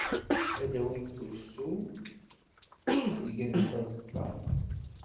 Ad d-awint ustu, ad grent aẓeṭṭa.